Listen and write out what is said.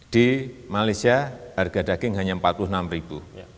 di malaysia harga daging hanya rp empat puluh enam ribu